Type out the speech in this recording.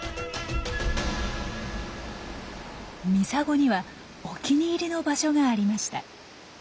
ミサゴにはお気に入りの場所がありました。